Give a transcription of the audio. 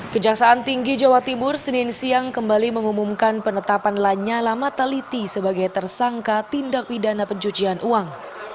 kejaksaan tinggi jawa timur senin siang kembali mengumumkan penetapan lanyala mataliti sebagai tersangka tindak pidana pencucian uang